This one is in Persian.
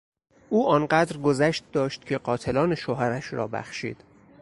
او آن قدر گذشت داشت که قاتلان شوهرش را بخشید.